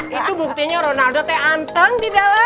betul buktinya ronaldo tantang di dalam